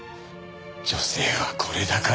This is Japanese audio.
女性はこれだから。